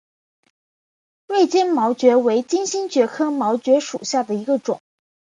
锐尖毛蕨为金星蕨科毛蕨属下的一个种。